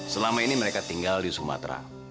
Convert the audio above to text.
selama ini mereka tinggal di sumatera